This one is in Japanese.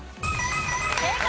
正解！